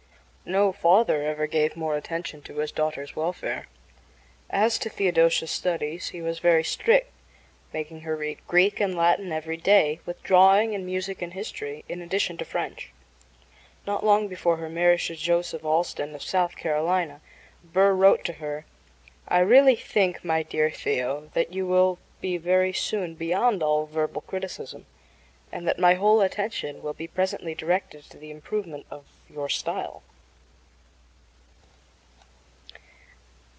No father ever gave more attention to his daughter's welfare. As to Theodosia's studies he was very strict, making her read Greek and Latin every day, with drawing and music and history, in addition to French. Not long before her marriage to Joseph Allston, of South Carolina, Burr wrote to her: I really think, my dear Theo, that you will be very soon beyond all verbal criticism, and that my whole attention will be presently directed to the improvement of your style.